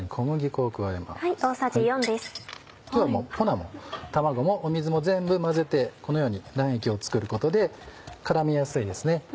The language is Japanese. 粉も卵も水も全部混ぜてこのように卵液を作ることで絡みやすいですね。